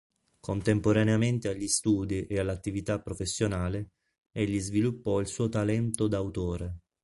Contemporaneamente agli studi e all'attività professionale, egli sviluppò il suo talento da autore.